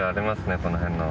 この辺の。